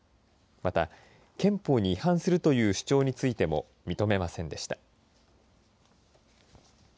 また憲法に違反するという主張についても認めませんでした。